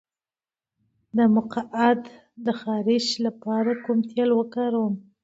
د مقعد د خارش لپاره کوم تېل وکاروم؟